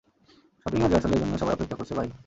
Shopping আর রিহার্সালের জন্য, সবাই অপেক্ষা করছে, বাই।